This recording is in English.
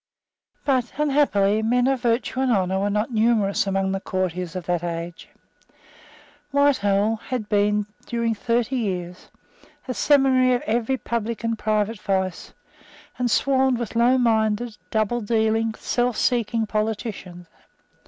But, unhappily, men of virtue and honour were not numerous among the courtiers of that age. Whitehall had been, during thirty years, a seminary of every public and private vice, and swarmed with lowminded, doubledealing, selfseeking politicians.